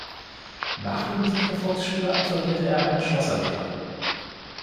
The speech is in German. Nach dem Besuch der Volksschule absolvierte er eine Schlosserlehre.